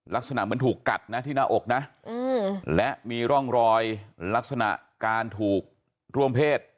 ลักษณะเหมือนถูกกัดนะที่หน้าอกนะและมีร่องรอยลักษณะการถูกร่วมเพศ